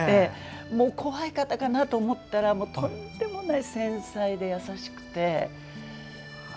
怖い方かなと思ったらとんでもない繊細で優しくて。